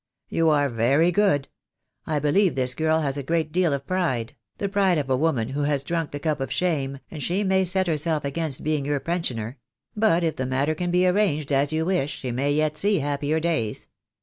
"You are very good. I believe this girl has a great deal of pride — the pride of a woman who has drunk the cup of shame, and she may set herself against being your pensioner; but if the matter can be arranged as you wash she may yet see happier days.